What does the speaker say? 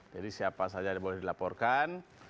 jadi siapa saja yang boleh dilaporkan